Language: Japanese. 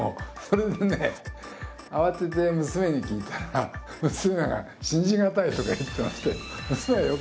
それでね慌てて娘に聞いたら娘が信じ難いとか言ってましたよ。